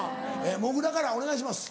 もぐらからお願いします。